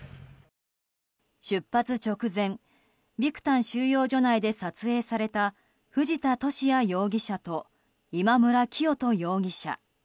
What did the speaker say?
出発直前ビクタン収容所内で撮影された藤田聖也容疑者と今村磨人容疑者。